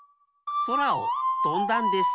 そらをとんだんです。